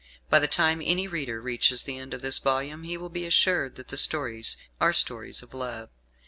By the time any reader reaches the end of this volume he will be assured that the stories are stories of love.